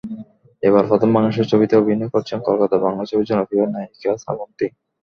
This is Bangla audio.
এবারই প্রথম বাংলাদেশের ছবিতে অভিনয় করছেন কলকাতার বাংলা ছবির জনপ্রিয় নায়িকা শ্রাবন্তী।